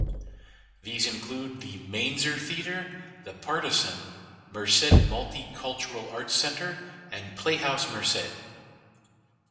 These include The Mainzer Theater, The Partisan, Merced Multicultural Arts Center, and Playhouse Merced.